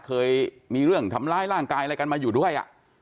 เคยมีเรื่องทำร้ายร่างกายอะไรกันมาอยู่ด้วย